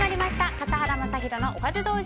笠原将弘のおかず道場。